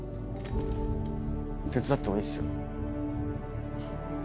手伝ってもいいですよ。